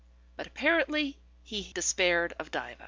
But apparently he despaired of Diva.